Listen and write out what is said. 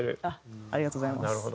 ありがとうございます。